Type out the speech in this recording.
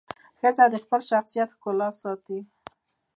ښځه د خپل شخصیت ښکلا ساتي.